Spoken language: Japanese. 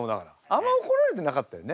あんまおこられてなかったよね？